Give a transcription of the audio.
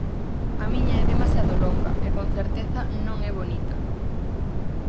A miña é demasiado longa, e con certeza non é bonita.